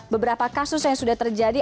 beberapa kasus yang sudah terjadi